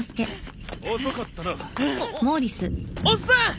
おっさん！